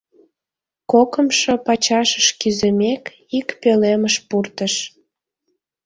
Кокымшо пачашыш кӱзымек, ик пӧлемыш пуртыш.